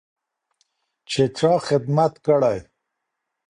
چې چا خدمت کړی.